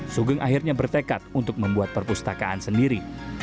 sugeng akhirnya bertekad untuk membuat perpustakaan sendiri